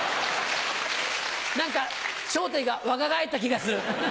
何か『笑点』が若返った気がする。